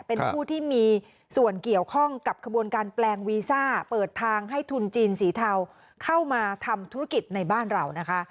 เป็นผู้ที่มีส่วนเกี่ยวข้องกับขบวนการแปลงวีซ่าเปิดทางให้ทุนจีนสีเทาเข้ามาทำธุรกิจในบ้านเรานะคะ